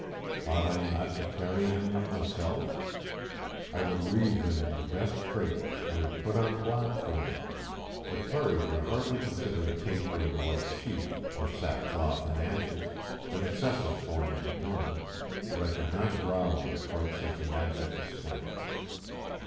Ought I not to carry him in myself? I would wreathe him in the best crape, I would put on black for him; the Curries would hardly consider a taper and a white sheet, or sack cloth and ashes, an excessive form of atonement, but I could not grovel to quite such an abject extent.